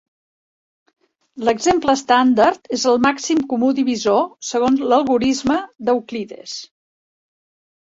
L'exemple estàndard és el màxim comú divisor, segons l'algorisme d'Euclides.